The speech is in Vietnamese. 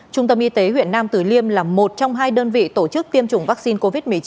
trung tâm y tế huyện nam tử liêm là một trong hai đơn vị tổ chức tiêm chủng vaccine covid một mươi chín